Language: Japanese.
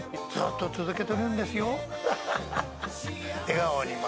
ずっと続けてくんですよ。